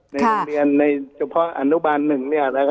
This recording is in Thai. ในโรงเรียนในเฉพาะอนุบาล๑เนี่ย